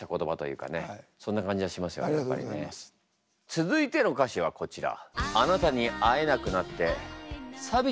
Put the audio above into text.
続いての歌詞はこちら。